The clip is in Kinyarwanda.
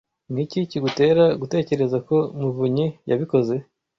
Niki kigutera gutekereza ko muvunyi yabikoze?